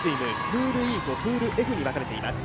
プールＥとプールＦに分かれています。